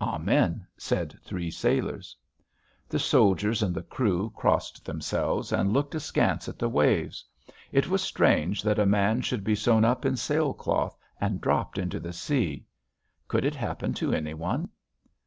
"Amen!" said three sailors. The soldiers and the crew crossed themselves and looked askance at the waves. It was strange that a man should be sewn up in sail cloth and dropped into the sea. Could it happen to any one?